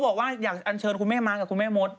เยอะแยะมากมาย